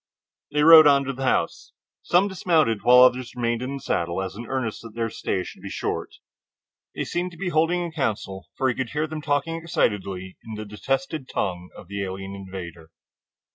They rode on to the house. Some dismounted, while others remained in the saddle as an earnest that their stay would be short. They seemed to be holding a council, for he could hear them talking excitedly in the detested tongue of the alien invader.